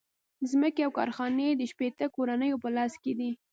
ځمکې او کارخانې د شپیته کورنیو په لاس کې دي